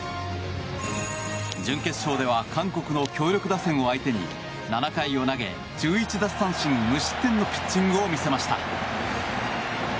準決勝では韓国の強力打線を相手に７回を投げ、１１奪三振無失点のピッチングを見せました。